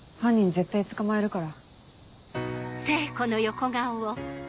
絶対捕まえるから。